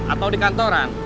atau di kantoran